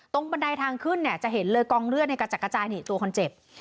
ตรงบันไดทางขึ้นจะเห็นเลยกองเลือดในกระจกกระจายตัวคนเจ็บ